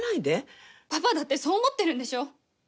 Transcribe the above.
パパだってそう思ってるんでしょ？